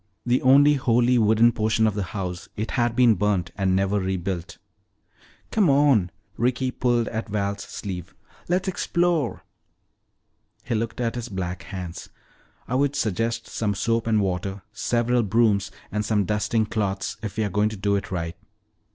The only wholly wooden portion of the house, it had been burnt and never rebuilt. "Come on," Ricky pulled at Val's sleeve, "let's explore." He looked at his black hands. "I would suggest some soap and water, several brooms, and some dusting cloths if we're going to do it right.